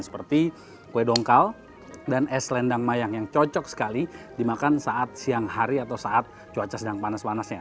seperti kue dongkal dan es lendang mayang yang cocok sekali dimakan saat siang hari atau saat cuaca sedang panas panasnya